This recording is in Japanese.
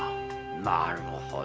なるほど。